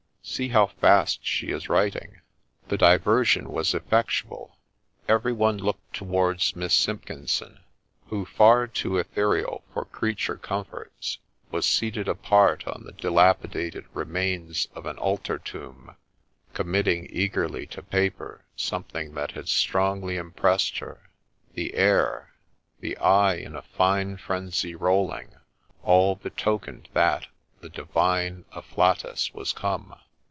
See how fast she is writing.' The diversion was effectual ; every one looked towards Miss Simpkinson, who, far too ethereal for ' creature comforts,' was seated apart on the dilapidated remains of an altar tomb, com mitting eagerly to paper something that had strongly impressed her ; the air, — the eye in a ' fine frenzy rolling,' — all betokened that the divine afflatus was come.